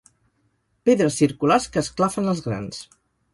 Pedres circulars que esclafen els grans.